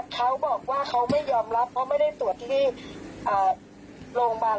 เขาบอกว่าเขาไม่ยอมรับเพราะไม่ได้ตรวจที่โรงพยาบาล